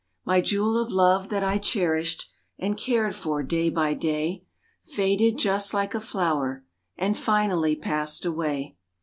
My jewel of love that I cherished, And cared for day by day, Faded just like a flower And finally passed away.